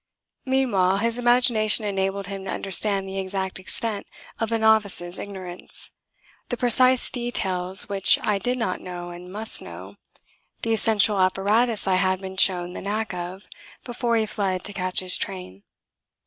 Meanwhile his imagination enabled him to understand the exact extent of a novice's ignorance, the precise details which I did not know and must know, the essential apparatus I had to be shown the knack of, before he fled to catch his train.